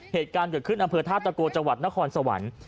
เหตุการณ์เกิดขึ้นอำเภอท่าตะโกจังหวัดนครสวรรค์